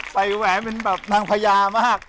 แหวนเป็นแบบนางพญามาก